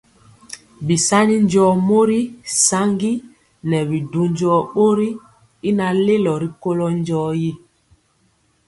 Bisani njɔɔ mori saŋgi nɛ bi du njɔɔ bori y naŋ lelo rikolo njɔɔtyi.